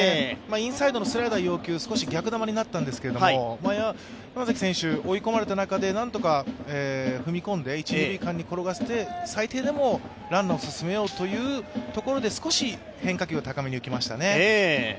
インサイドのスライダーを要求、少し逆球になったんですけど、山崎選手、追い込まれた中でなんとか踏み込んで一・二塁間に転がして最低でもランナーを進めようというところで少し変化球が高めに浮きましたね。